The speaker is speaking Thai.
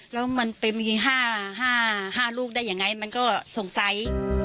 แล้วมันไปยิง๕ลูกได้ยังไงมันก็สงสัย